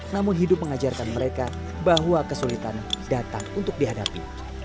namun hidup mengajarkan mereka bahwa kesulitan datang untuk dihadapi